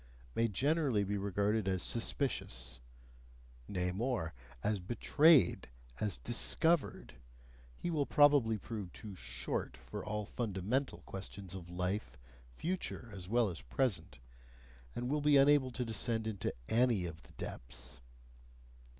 may generally be regarded as suspicious, nay more, as betrayed, as discovered; he will probably prove too "short" for all fundamental questions of life, future as well as present, and will be unable to descend into ANY of the depths.